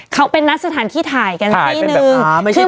เขาเป็นนัดสถานที่ถ่ายกันที่นึง